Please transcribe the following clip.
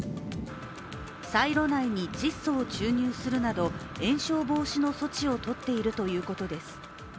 サイロ内に窒素を注入するなど延焼防止の措置をとっているということです。